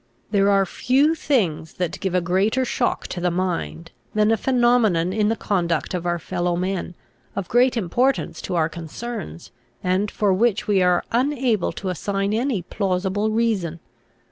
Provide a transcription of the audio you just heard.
There are few things that give a greater shock to the mind, than a phenomenon in the conduct of our fellow men, of great importance to our concerns, and for which we are unable to assign any plausible reason.